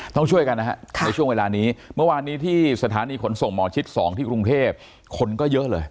ต้องช่วยกันนะฮะในช่วงเวลานี้เมื่อวานนี้ที่สถานีขนส่งหมอชิด๒ที่กรุงเทพคนก็เยอะเลย